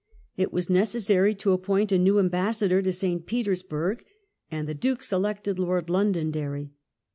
It was necessary to appoint a new ambassador to St. Petersburg, and the Duke selected Lord Londonderry.